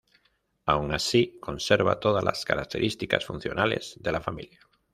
Aun así, conserva todas las características funcionales de la familia.